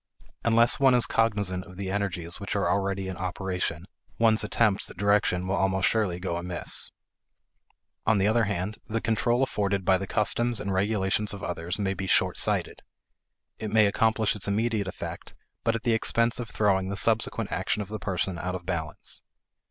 Unless one is cognizant of the energies which are already in operation, one's attempts at direction will almost surely go amiss. On the other hand, the control afforded by the customs and regulations of others may be short sighted. It may accomplish its immediate effect, but at the expense of throwing the subsequent action of the person out of balance.